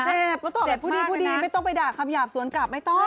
เจ็บก็ตอบไปผู้ดีไม่ต้องไปด่าคำหยาบสวนกลับไม่ต้อง